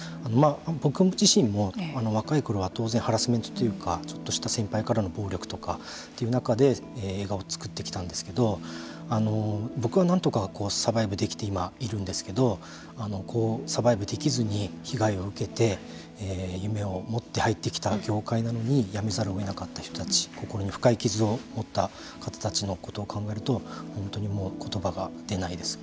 僕自身も若いころは当然ハラスメントというかちょっとした先輩からの暴力とかという中で映画を作ってきたんですけど僕は、なんとかサバイブできて今いるんですけれどもサバイブできずに被害を受けて夢を持って入ってきた業界なのにやめざるをえなかった人たち心に深い傷を負った方たちのことを考えると本当にことばが出ないです。